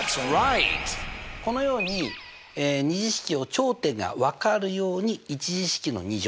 このように２次式を頂点がわかるように１次式の２乗をね